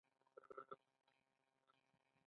انسانیت ته درناوی وکړئ